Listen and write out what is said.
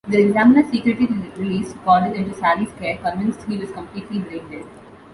The examiner secretly released Cordell into Sally's care, convinced he was completely brain dead.